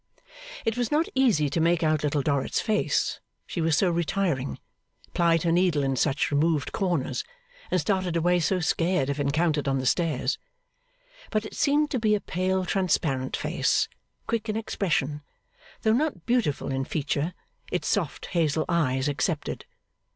It was not easy to make out Little Dorrit's face; she was so retiring, plied her needle in such removed corners, and started away so scared if encountered on the stairs. But it seemed to be a pale transparent face, quick in expression, though not beautiful in feature, its soft hazel eyes excepted.